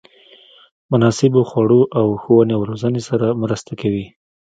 مناسبو خوړو او ښوونې او روزنې سره مرسته کوي.